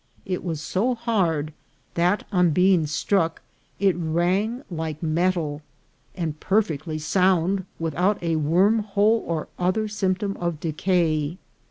It was so hard that, on being struck, it rang like metal, and perfectly sound, without a worm hole or other symptom of decay.